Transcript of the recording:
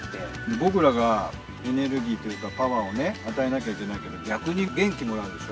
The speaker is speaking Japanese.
僕らがエネルギーというか、パワーをね、与えなきゃいけないけど、逆に元気もらうでしょ？